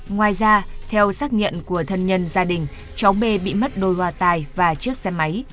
ngoài ra theo xác nghiệm của thân nhân gia đình chó b bị mất đôi hoa tai và chiếc xe máy